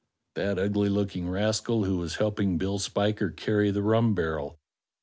That ugly looking rascal who was helping Bill Spiker carry the rum barrel.